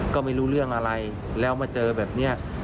ก็ไม่รู้เรื่องอะไรแล้วมาเจอแบบนี้